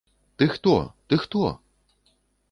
Ты хто, ты хто?